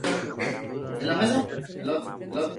Los dos grupos de hijos son muy competitivos entre sí.